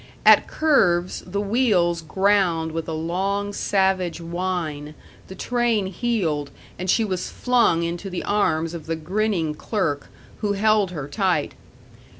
At curves the wheels ground with a long, savage whine, the train heeled, and she was flung into the arms of the grinning clerk, who held her tight.